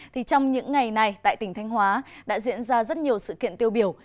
thì trong những ngày này tại tỉnh thanh hóa đã diễn ra rất nhiều sự kiện tiêu biểu